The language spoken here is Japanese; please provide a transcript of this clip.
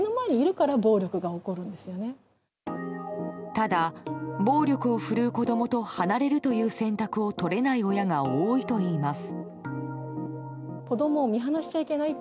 ただ、暴力をふるう子供と離れるという選択をとれない親が多いといいます。